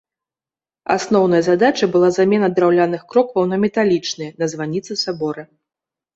Асноўнай задачай была замена драўляных крокваў на металічныя на званіцы сабора.